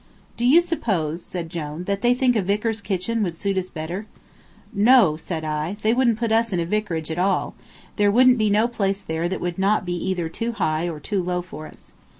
"Do you suppose," said Jone, "that they think a vicar's kitchen would suit us better?" "No," said I, "they wouldn't put us in a vicarage at all; there wouldn't be no place there that would not be either too high or too low for us.